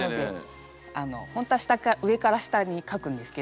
本当は上から下に書くんですけど